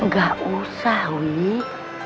gak usah wih